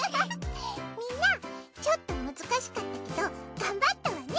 みんなちょっと難しかったけど頑張ったわね！